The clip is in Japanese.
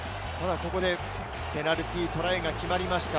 ペナルティートライが決まりました。